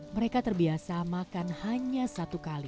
mereka terbiasa makan hanya satu kali